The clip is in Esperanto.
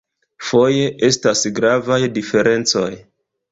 Foje estas gravaj diferencoj.